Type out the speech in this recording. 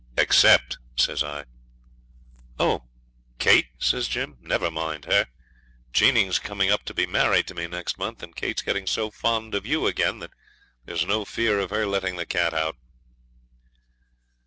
'Except,' says I 'Oh! Kate?' says Jim; 'never mind her. Jeanie's coming up to be married to me next month, and Kate's getting so fond of you again that there's no fear of her letting the cat out.'